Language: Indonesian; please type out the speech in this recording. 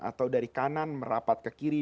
atau dari kanan merapat ke kiri